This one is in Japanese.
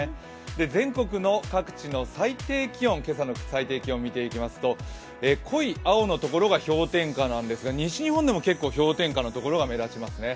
全国の各地の今朝の最低気温を見ていきますと濃い青のところが氷点下なんですが西日本でも結構氷点下のところが目立ちますね。